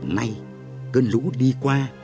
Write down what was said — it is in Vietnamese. nay cơn lũ đi qua